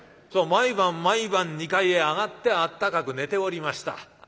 毎晩毎晩２階へ上がってあったかく寝ておりました。